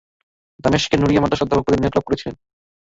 দামেশকের নূরিয়া মাদ্রাসায় অধ্যাপক পদে নিয়োগ লাভ করেছিলেন।